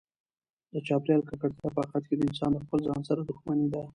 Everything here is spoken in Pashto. د چاپیریال ککړتیا په حقیقت کې د انسان د خپل ځان سره دښمني ده.